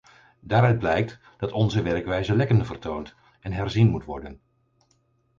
Daaruit blijkt dat onze werkwijze lekken vertoont en herzien moet worden.